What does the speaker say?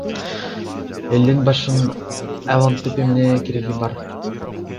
Элдин башын айлантып эмне кереги бар?